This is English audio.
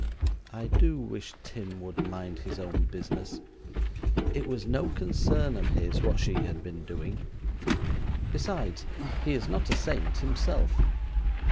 I do wish Tim would mind his own business. It was no concern of his what she had been doing. Besides, he is not a saint himself.